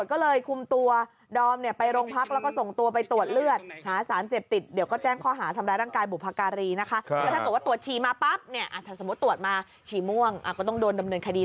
ก็คือแบบนั้นก็อาจจะโดนดำเนินคดี